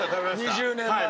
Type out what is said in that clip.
２０年前に。